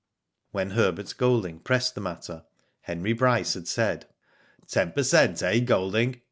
When Herbert Golding pressed the matter, Henrv Bryce had said: Ten per cent, eh! Golding?